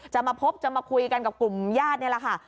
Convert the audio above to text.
จะมาพบจะมาคุยกันกับกลุ่มญาตินี่แหละค่ะ